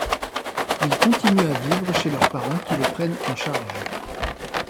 Ils continuent à vivre chez leurs parents qui les prennent en charge.